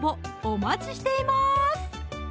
お待ちしています